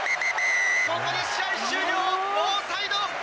ここで試合終了、ノーサイド。